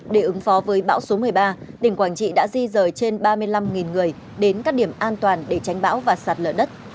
để ứng phó với bão số một mươi ba tỉnh quảng trị đã di rời trên ba mươi năm người đến các điểm an toàn để tránh bão và sạt lở đất